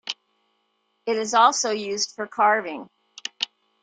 It is also used for carving.